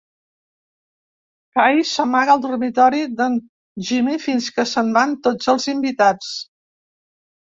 Kay s'amaga al dormitori d'en Jimmy fins que s'en van tots els invitats.